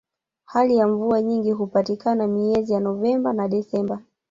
hali ya mvua nyingi hupatikana miezi ya novemba na desemba